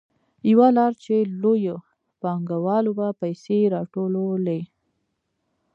یوه لار چې لویو پانګوالو به پیسې راټولولې